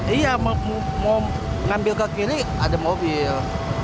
iya mau ngambil ke kiri ada mobil